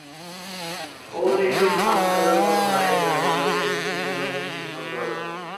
ওর এইসব খাপছাড়া কথায় ব্যবহারে একটি যেন মিষ্টি ছন্দ আছে।